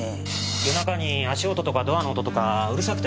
夜中に足音とかドアの音とかうるさくてね。